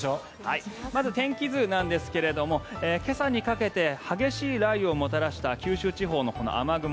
まず天気図なんですが今朝にかけて激しい雷雨をもたらした九州地方の雨雲